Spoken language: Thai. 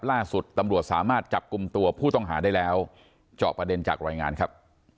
ล่าสุดตำรวจสามารถจับกลุ่มตัวผู้ต้องหาได้แล้วเจาะประเด็นจากรายงานครับ